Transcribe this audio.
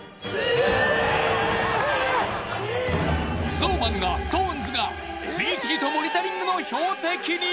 ＳｎｏｗＭａｎがＳｉｘＴＯＮＥＳが次々とモニタリングの標的に！